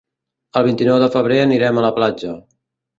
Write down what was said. El vint-i-nou de febrer anirem a la platja.